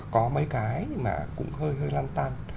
có mấy cái mà cũng hơi hơi lăn tăn